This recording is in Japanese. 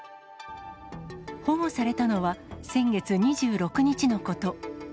保護されたのは、先月２６日のこと。